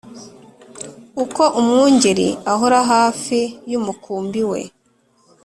uko umwungeri ahora hafi y’umukumbi we